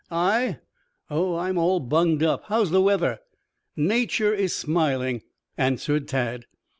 "I? Oh, I'm all bunged up. How's the weather?" "Nature is smiling," answered Tad.